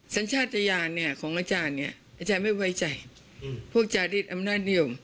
สัญชาติยานของอาจารย์อาจารย์ไม่ไว้ใจพวกจารีศอำนาจนิยม